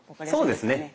そうですね。